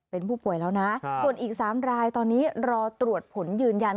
เป็นผู้ป่วยแล้วนะส่วนอีก๓รายตอนนี้รอตรวจผลยืนยัน